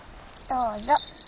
どうぞ。